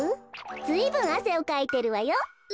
ずいぶんあせをかいてるわよ。